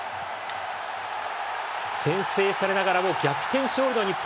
先制されながらも逆転勝利の日本。